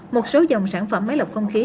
một số dòng sản phẩm máy lọc không khí